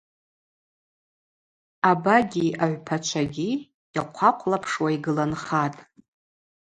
Абагьи агӏвпачвагьи йахъвахъвлапшуа йгыланхатӏ.